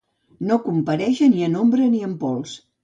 No comparèixer ni en ombra ni en pols.